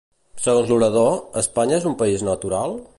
Segons l'orador, Espanya és un país natural?